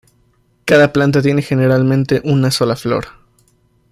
Cada planta tiene generalmente una sola flor.